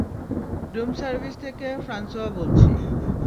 Room service থেকে Francois বলছি।